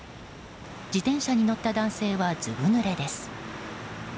自転車に乗った男性はずぶ濡れです。